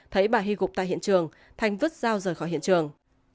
thấy bà hy gục tại hiện trường thành vứt dao rời khỏi hiện trường